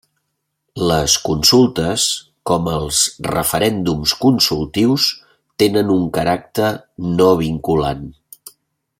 Les consultes, com els referèndums consultius, tenen un caràcter no vinculant.